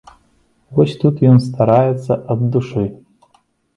Вось тут ён стараецца ад душы.